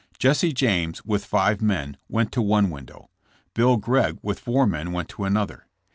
Jesse James, with five men, went to one window. Bill Gregg, with four men, went to another.